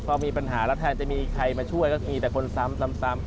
พอมีปัญหาแล้วแทนจะมีใครมาช่วยก็มีแต่คนซ้ำ